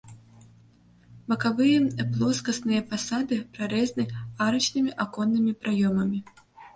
Бакавыя плоскасныя фасады прарэзана арачнымі аконнымі праёмамі.